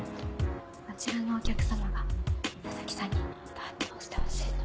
あちらのお客さまが佐々木さんに担当してほしいと。